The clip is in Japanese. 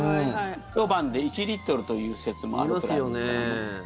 ひと晩で１リットルという説もあるくらいですからね。